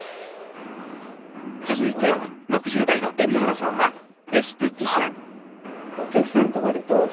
続いて６０代の海老原さんはエステティシャン。